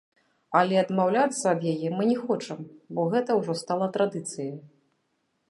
Але адмаўляцца ад яе мы не хочам, бо гэта ўжо стала традыцыяй.